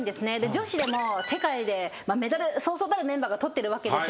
女子でも世界でメダルそうそうたるメンバーが取ってるわけですよ。